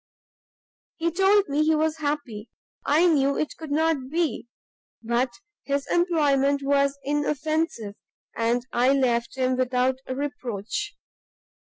He told me he was happy; I knew it could not be: but his employment was inoffensive, and I left him without reproach.